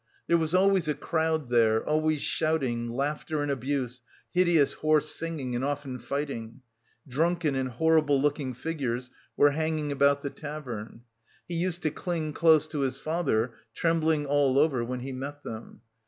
There was always a crowd there, always shouting, laughter and abuse, hideous hoarse singing and often fighting. Drunken and horrible looking figures were hanging about the tavern. He used to cling close to his father, trembling all over when he met them.